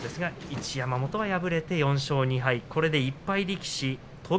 一山本、敗れて４勝２敗。